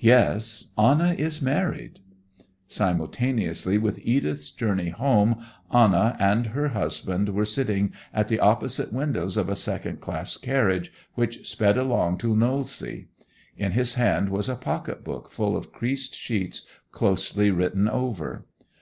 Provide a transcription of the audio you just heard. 'Yes—Anna is married.' Simultaneously with Edith's journey home Anna and her husband were sitting at the opposite windows of a second class carriage which sped along to Knollsea. In his hand was a pocket book full of creased sheets closely written over.